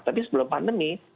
tapi sebelum pandemi